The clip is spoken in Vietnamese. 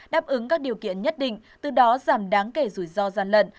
đáp ứng các điều kiện nhất định từ đó giảm đáng kể rủi ro gian lận